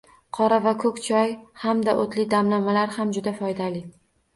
Qora va koʻk choy hamda oʻtli damlamalar ham juda foydali.